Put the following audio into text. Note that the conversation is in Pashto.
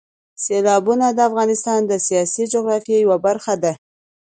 سیلابونه د افغانستان د سیاسي جغرافیې یوه برخه ده.